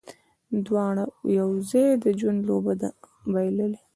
دواړو یو ځای، د ژوند لوبه ده بایللې